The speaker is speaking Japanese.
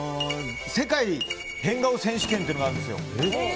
世界変顔選手権っていうのがあるんですよ。